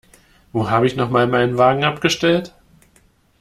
Wo habe ich noch mal meinen Wagen abgestellt?